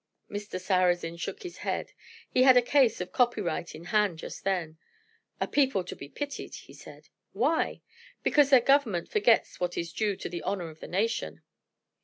Mr. Sarrazin shook his head; he had a case of copyright in hand just then. "A people to be pitied," he said. "Why?" "Because their Government forgets what is due to the honor of the nation."